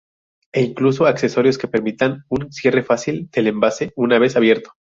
E incluso, accesorios que permitan un cierre fácil del envase una vez abierto.